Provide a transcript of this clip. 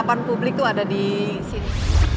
harapan publik itu ada di sini